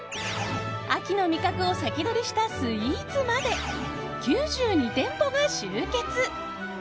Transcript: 秋の味覚を先取りしたスイーツまで、９２店舗が集結。